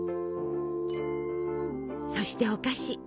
そしてお菓子。